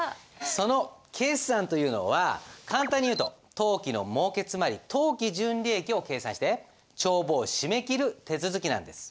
その決算というのは簡単に言うと当期のもうけつまり当期純利益を計算して帳簿を締め切る手続きなんです。